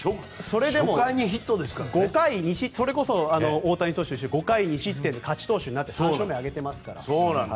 それでもそれこそ５回２失点で勝ち投手になって３勝目挙げてますから。